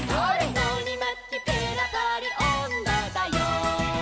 「のりまきペラパリおんどだよ」